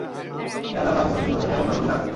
এলাকার পাশে সবজির বাজার, তাই দোকানগুলি তাড়াতাড়ি খোলে।